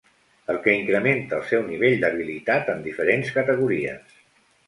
El que incrementa el seu nivell d'habilitat en diferents categories.